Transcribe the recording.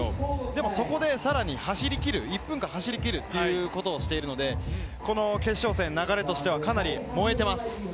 でもそこでさらに走りきる、１分間走り切るということをしているので、決勝戦、流れとしてはかなり燃えてます。